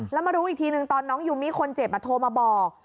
แล้วมารู้อีกทีหนึ่งตอนน้องยูมี่คนเจ็บโทรมาบอก